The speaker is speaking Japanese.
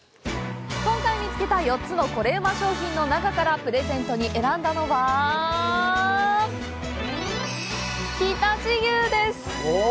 今回見つけた４つのコレうま商品の中からプレゼントに選んだのは常陸牛です！